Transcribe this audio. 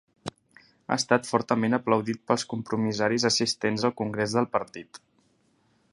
Ha estat fortament aplaudit pels compromissaris assistents al congrés del partit.